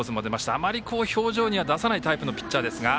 あまり表情に出さないタイプのピッチャーですが。